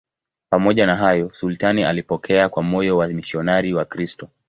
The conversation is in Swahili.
Pamoja na hayo, sultani alipokea kwa moyo wamisionari Wakristo.